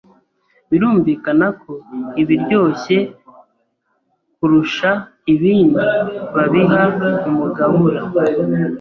Birumvikana ko ibiryoshye kurusha ibindi babiha umugabura.